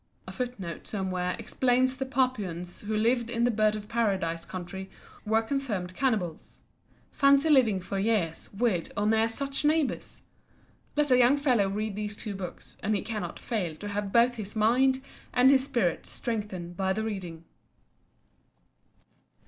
A footnote somewhere explains that the Papuans who lived in the Bird of Paradise country were confirmed cannibals. Fancy living for years with or near such neighbours! Let a young fellow read these two books, and he cannot fail to have both his mind and his spirit strengthened by the reading.